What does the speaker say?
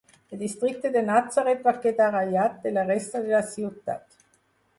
El districte de Natzaret va quedar aïllat de la resta de la ciutat.